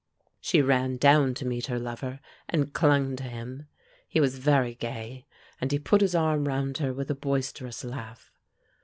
She ran down to meet her lover and clung to him. He was very gay, and he put his arm round her with a boisterous laugh.